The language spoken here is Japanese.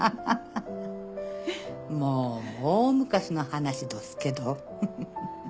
もう大昔の話どすけど。